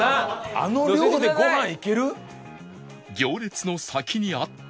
あの量でご飯いける？